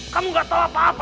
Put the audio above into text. kamu gak tahu apa apa